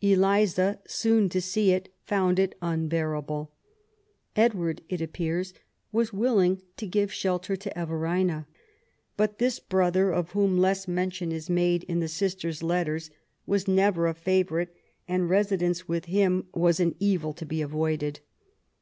Eliza, soon to see it, found it unbearable. Edward, it appears, was willing to give shelter to Eve rina ; but this brother, of whom less mention is made in the sisters* letters, was never a favourite, and re sidence with him was an evil to be avoided.